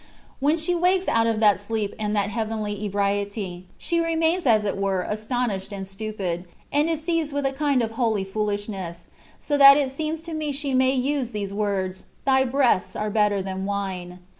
When she wakes out of that sleep and that heavenly ebriety, she remains as it were asto nished and stupid, and is seized with a kind of holy foolishness, so that it seems to me she may use these words, " Thy breasts are better than wine.